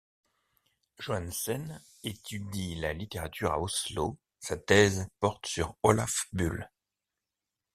Johannesen étudie la littérature à Oslo, sa thèse porte sur Olaf Bull.